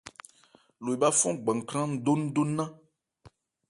Lo ebhá fɔ́n gbakhrân ndóndó nnán.